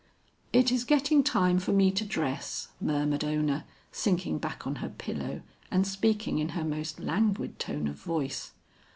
"It is getting time for me to dress," murmured Ona, sinking back on her pillow and speaking in her most languid tone of voice.